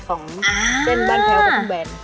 ของเช่นบานแพลวกับทุกแบรนด์